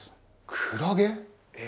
クラゲ？